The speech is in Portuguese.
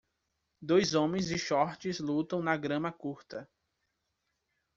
Dois homens de shorts lutam na grama curta.